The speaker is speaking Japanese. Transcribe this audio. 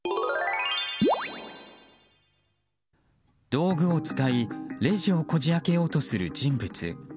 道具を使いレジをこじ開けようとする人物。